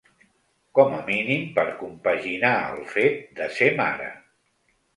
Com a mínim per compaginar el fet de ser mare.